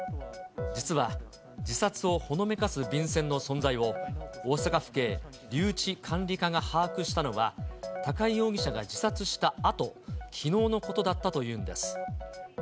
実は自殺をほのめかす便箋の存在を、大阪府警留置管理課が把握したのは、高井容疑者が自殺したあと、きのうのことだったというんです。